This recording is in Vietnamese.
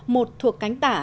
một thuộc cánh tả